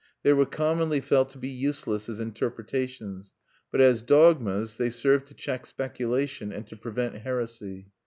They were commonly felt to be useless as interpretations; but as dogmas they served to check speculation and to prevent heresy.